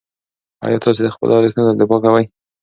آیا تاسې د خپلو ارزښتونو دفاع کوئ؟